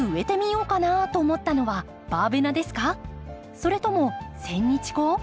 それともセンニチコウ？